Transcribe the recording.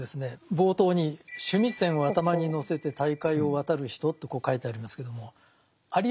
冒頭に「須弥山を頭に載せて大海を渡る人」とこう書いてありますけどもありえないですよね。